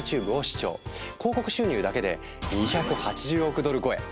広告収入だけで２８０億ドル超え！